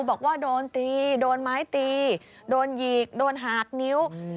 บอกว่าโดนตีโดนไม้ตีโดนหยีกโดนหากนิ้ว